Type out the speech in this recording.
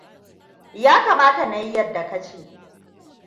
Ya kamata na yi yadda ka ce.